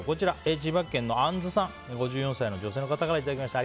千葉県の５４歳、女性の方からいただきました。